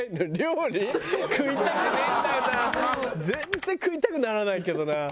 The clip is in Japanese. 全然食いたくならないけどな。